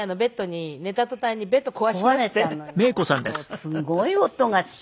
すごい音がして。